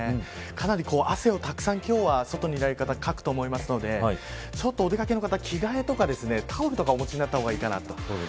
かなり汗をたくさん今日は外にいられる方はたくさんかくと思いますのでお出掛けの方は着替えとかタオルとかお持ちになった方がいいかなと。